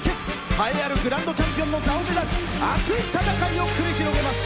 栄えあるグランドチャンピオンの座を目指し熱い戦いを繰り広げます。